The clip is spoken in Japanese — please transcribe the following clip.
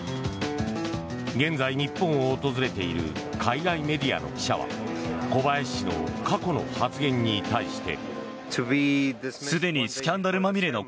現在、日本を訪れている海外メディアの記者は小林氏の過去の発言に対して。